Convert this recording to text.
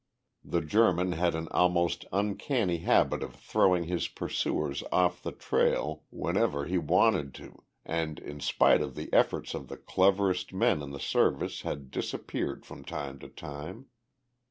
The German had an almost uncanny habit of throwing his pursuers off the trail whenever he wanted to and in spite of the efforts of the cleverest men in the Service had disappeared from time to time.